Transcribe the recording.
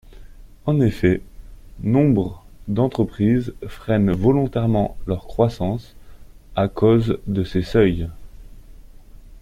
En effet, nombre d’entreprises freinent volontairement leur croissance à cause de ces seuils.